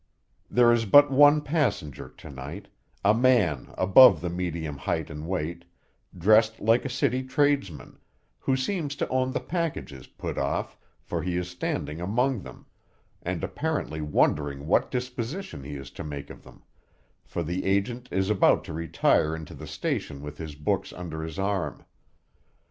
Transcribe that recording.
There is but one passenger to night: a man above the medium height and weight, dressed like a city tradesman, who seems to own the packages put off, for he is standing among them, and apparently wondering what disposition he is to make of them; for the agent is about to retire into the station with his books under his arm.